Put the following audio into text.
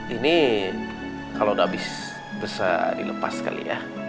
ini kalau udah abis besar dilepas kali ya